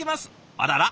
あらら？